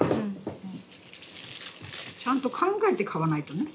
ちゃんと考えて買わないとね。